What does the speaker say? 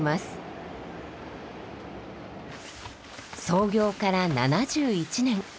創業から７１年。